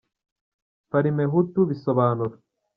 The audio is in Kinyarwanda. Parimehutu bisobanura .